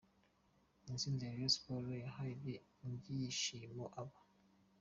Intsinzi ya Rayon Sports yahaye ibyishimo aba.